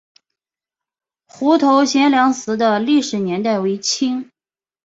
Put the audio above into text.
湖头贤良祠的历史年代为清。